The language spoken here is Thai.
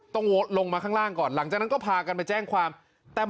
ลงมาข้างล่างก่อนหลังจากนั้นก็พากันไปแจ้งความ